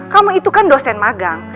kamu itu kan dosen magang